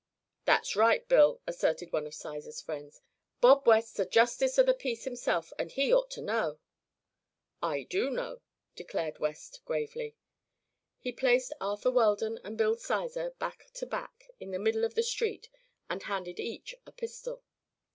"That's right, Bill," asserted one of Sizer's friends. "Bob West's a justice o' the peace himself, an' he orter know." "I do know," declared West gravely. He placed Arthur Weldon and Bill Sizer back to back in the middle of the street and handed each a pistol.